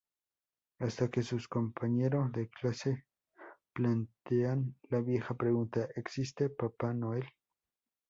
Hasta que sus compañero de clase plantean la vieja pregunta: "Existe Papá Noel?".